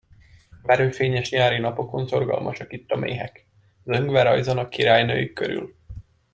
A verőfényes nyári napokon szorgalmasak itt a méhek, zöngve rajzanak királynőjük körül.